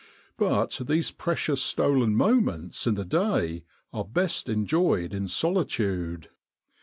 But these precious stolen moments in the day are best enjoyed in solitude.